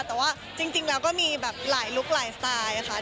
แต่ว่าจริงแล้วก็มีแบบหลายลุคหลายสไตล์ค่ะ